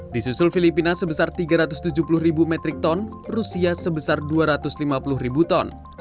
disusul filipina sebesar tiga ratus tujuh puluh ribu metric ton rusia sebesar dua ratus lima puluh ribu ton